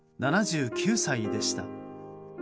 ７９歳でした。